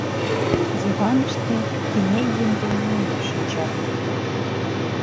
Диваныште Пинегин ден Нина шинчат.